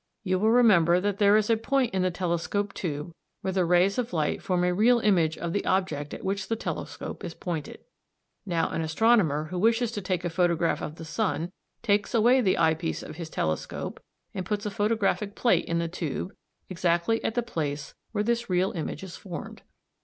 You will remember that there is a point in the telescope tube where the rays of light form a real image of the object at which the telescope is pointed (see p. 44). Now an astronomer who wishes to take a photograph of the sun takes away the eye piece of his telescope and puts a photographic plate in the tube exactly at the place where this real image is formed.